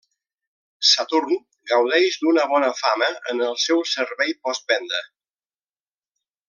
Saturn gaudeix d'una bona fama en el seu servei postvenda.